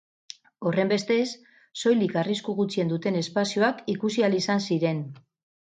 Horrenbestez, soilik arrisku gutxien duten espazioak ikusi ahal izan ziren.